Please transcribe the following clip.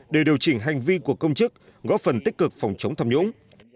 để điều chỉnh hành vi của công chức góp phần tích cực phòng chống tham nhũng